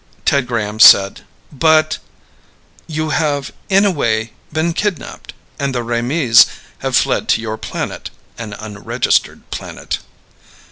Ted Graham said, "But " "You have, in a way, been kidnapped. And the Raimees have fled to your planet an unregistered planet."